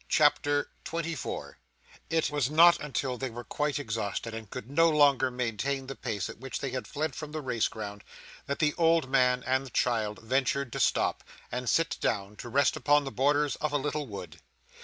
CHAPTER 24 It was not until they were quite exhausted and could no longer maintain the pace at which they had fled from the race ground, that the old man and the child ventured to stop, and sit down to rest upon the borders of a little wood.